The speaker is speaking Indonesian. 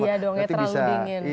iya dong ya terlalu dingin